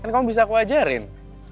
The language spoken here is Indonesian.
kamu bisa aku ajarin